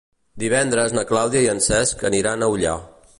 Divendres na Clàudia i en Cesc aniran a Ullà.